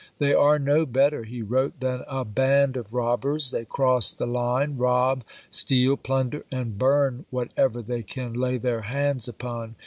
"They are no better," he wrote, "than a band of robbers; they cross the line, rob, steal, plunder, and burn whatever they can lay their hands upon.